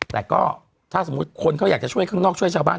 แต่ก็ถ้าสมมุติคนเขาอยากจะช่วยข้างนอกช่วยชาวบ้าน